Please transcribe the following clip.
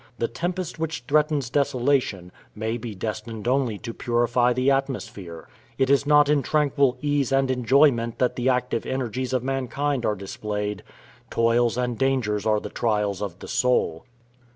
The tempest which threatens desolation, may be destined only to purify the atmosphere. It is not in tranquil ease and enjoyment that the active energies of mankind are displayed. Toils and dangers are the trials of the soul.